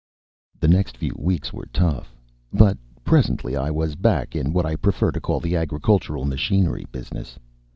The next few weeks were tough, but presently I was back in what I prefer to call the agricultural machinery business.